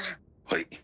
はい。